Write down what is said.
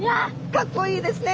かっこいいですね！